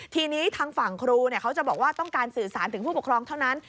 ทีนี้ทางฝั่งครูเขาจะบอกว่าต้องการสื่อสารถึงผู้ปกครองเท่านั้น